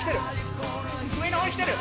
上の方に来てる！